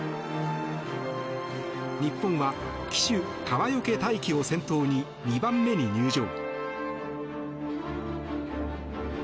日本は旗手・川除大輝を先頭に２番目に入場。